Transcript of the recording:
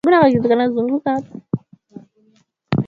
Mu buhemba banaowanaka na ma mbuzi njo mali ya kuleta